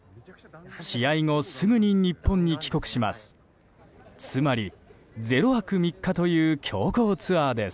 試合後すぐに日本に帰国します。